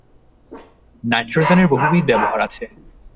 নাইট্রোজেনের বহুবিধ ব্যবহার আছে।